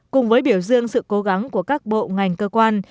cùng với biểu dương sự cố gắng của các bộ ngành cơ quan